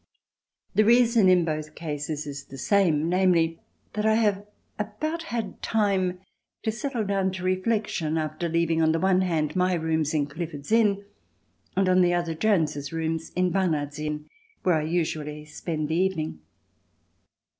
The reason in both cases is the same, namely, that I have about had time to settle down to reflection after leaving, on the one hand, my rooms in Clifford's Inn and, on the other, Jones's rooms in Barnard's Inn where I usually spend the evening.